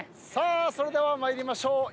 それでは参りましょう。